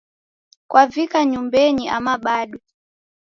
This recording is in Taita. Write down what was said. Kwavika nyumbenyi ama bado.